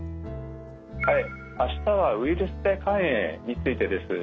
明日はウイルス性肝炎についてです。